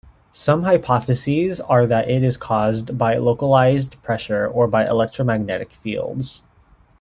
Some hypotheses are that it is caused by localized pressure or by electromagnetic fields.